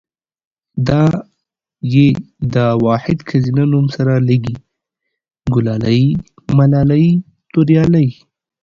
دا ۍ دا واحد ښځينه نوم سره لګي، ګلالۍ ملالۍ توريالۍ